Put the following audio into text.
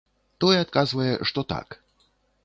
Той адказвае, што так.